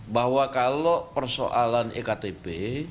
bahwa kalau persoalan ektp